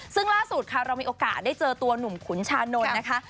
ซึ่งล่าสุดค่ะเรามีโอกาสได้เจอตัวหนุ่มขุนชานนท์นะคะ